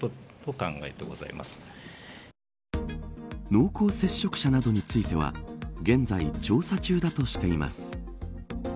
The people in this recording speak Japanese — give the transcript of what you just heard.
濃厚接触者などについては現在調査中だとしています。